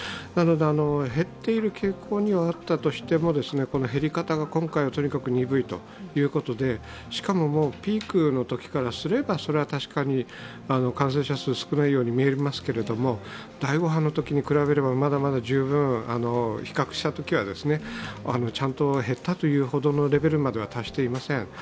なので、減っている傾向にはあったとしても減り方が今回はとにかく鈍いということでしかも、ピークのときからすれば確かに感染者数少ないように見えますけど第５波のときと比べればまだまだ十分、比較したときはちゃんと減ったというほどのレベルまでは達していません。